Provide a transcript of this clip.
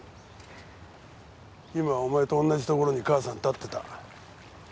今お前と同じところに母さん立ってた。